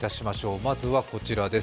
まずはこちらです。